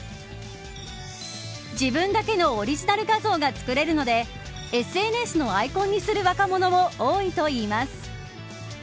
自分だけのオリジナル画像が作れるのでＳＮＳのアイコンにする若者も多いといいます。